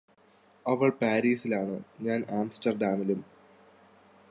അവൾ പാരിസിലാണ് ഞാന് ആംസ്റ്റർഡാമിലും